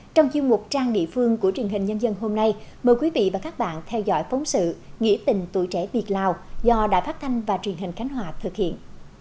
trong chương mục trang địa phương của truyền hình nhân dân hôm nay mời quý vị và các bạn theo dõi phóng sự nghỉ tình tuổi trẻ việt lào do đài phát thanh và truyền hình khánh hòa thực hiện